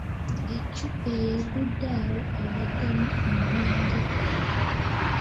Eccupa eyo eggudde awo ebaddemu omwenge.